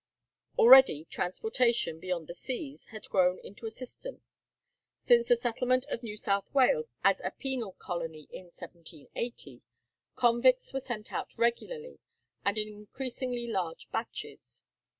Already transportation beyond the seas had grown into a system. Since the settlement of New South Wales as a penal colony in 1780, convicts were sent out regularly, and in increasingly large batches.